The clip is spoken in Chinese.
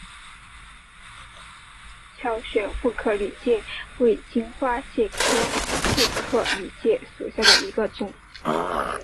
乔玄副克里介为荆花介科副克里介属下的一个种。